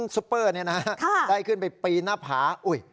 ซุปเปอร์นี้นะฮะได้ขึ้นไปปีนหน้าผา